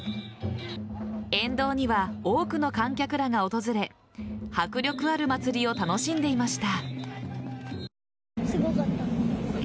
沿道には多くの観客らが訪れ迫力ある祭りを楽しんでいました。